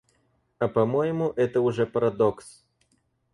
А по-моему, это уже парадокс.